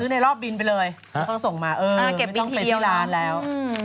ซื้อในรอบบินไปเลยพอส่งมาเออไม่ต้องไปที่ร้านแล้ว